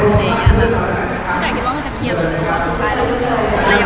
ส่วนใหญ่ก็คิดว่ามันจะเคียบไปจนกว่าสุดปลายแล้ว